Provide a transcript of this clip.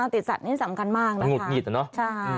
ติดสัตว์นี่สำคัญมากนะคะ